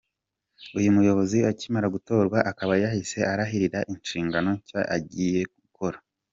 Uyu muyobozi akimara gutorwa akaba yahise arahirira inshingano nshya agiye gukora.